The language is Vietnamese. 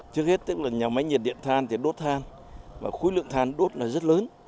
trước hết nhà máy nhiệt điện than thì đốt than khối lượng than đốt rất lớn